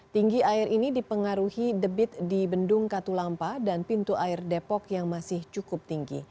tinggi air ini dipengaruhi debit di bendung katulampa dan pintu air depok yang masih cukup tinggi